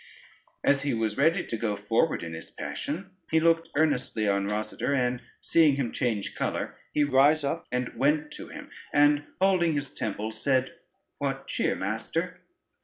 As he was ready to go forward in his passion, he looked earnestly on Rosader, and seeing him change color, he rise up and went to him, and holding his temples, said: "What cheer, master?